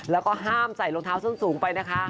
แล้วก็ห้ามใส่รองเท้าส้นสูงไปนะคะ